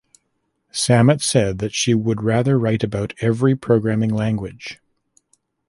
Sammet said that she would rather write about every programming language.